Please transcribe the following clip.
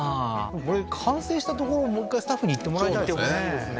これ完成したところもう一回スタッフに行ってもらいたいですね